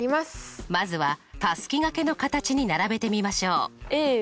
まずはたすきがけの形に並べてみましょう。